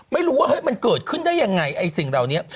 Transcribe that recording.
ไม่รู้ว่าเฮ้ยมันเกิดขึ้นได้ยังไงไอ้สิ่งเหล่านี้